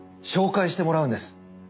紹介してもらうんです